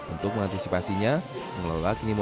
untuk mengantisipasinya mengelola kini menggunakan kondisi gua